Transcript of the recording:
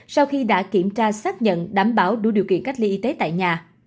sau khi đã kiểm tra xác nhận đảm bảo đủ điều kiện cách ly y tế tại nhà